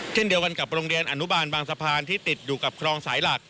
เช่นเดียวกันกับโรงเรียนอนุบาลบางสะพานที่ติดอยู่กับคลองสายหลัก